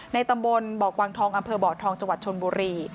ในตำบลบอกวังทองอำเภอบอกทองจชนบุรี